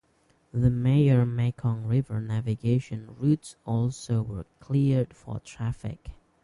The major Mekong River navigation routes also were cleared for traffic.